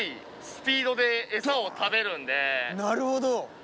なるほど。